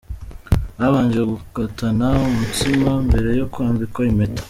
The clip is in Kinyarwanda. Babanje gukatana umutsima mbere yo kwambikwa Impeta.